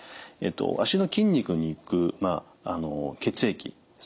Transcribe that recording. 足の筋肉に行く血液ですね。